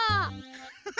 ハハハ！